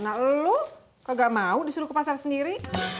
nah lo kagak mau disuruh ke pasar sendiri